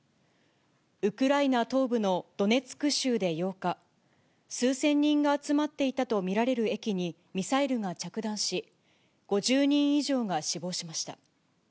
ウクライナ東部のドネツク州で８日、数千人が集まっていたと見られる駅にミサイルが着弾し、５０人以上が死亡しました。